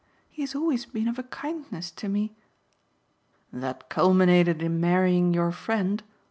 He has always been of a kindness to me !" "That culminated in marrying your friend?"